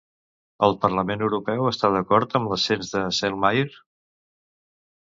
El Parlament Europeu està d'acord amb l'ascens de Selmayr?